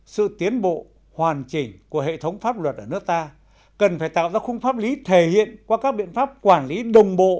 sự tiến bộ hoàn chỉnh của hệ thống pháp luật ở nước ta cần phải tạo ra khung pháp lý thể hiện qua các biện pháp quản lý đồng bộ